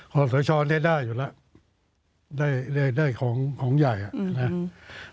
ของสวชรได้ได้อยู่แล้วได้ได้ได้ของของใหญ่อ่ะอืม